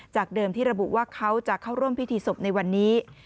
เดิมที่ระบุว่าเขาจะเข้าร่วมพิธีศพในวันนี้